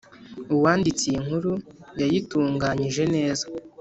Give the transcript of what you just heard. Uwanditse iyi nkuru yayitunganyije neza